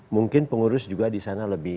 mungkin pengurus juga di sana lebih